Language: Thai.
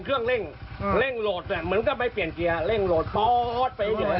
เครื่องเร่งอืมเร่งโหลดเนี่ยเหมือนกับไม่เปลี่ยนเกียร์เร่งโหลดปอดไปอย่างเงี้ย